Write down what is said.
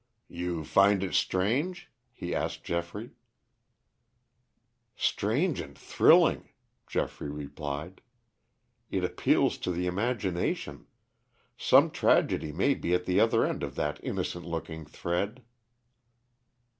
"You find it strange?" he asked Geoffrey. "Strange and thrilling," Geoffrey replied. "It appeals to the imagination. Some tragedy may be at the other end of that innocent looking thread."